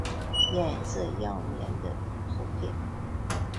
杂色耀鲇的图片